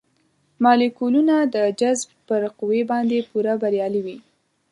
مالیکولونه د جذب پر قوې باندې پوره بریالي وي.